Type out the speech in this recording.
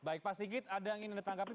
baik pak sigit ada yang ingin ditanggapi